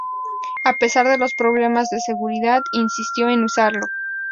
A pesar de los problemas de seguridad, insistió en usarlo.